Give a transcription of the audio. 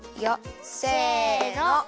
せの！